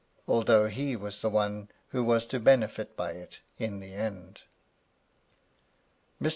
although he was the one who was to benefit by it in the end. Mr.